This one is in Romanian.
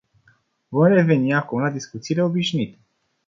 Vom reveni acum la discuțiile obișnuite.